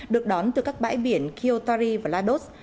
được đón từ các bãi biển kiotari và lados